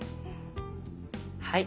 はい。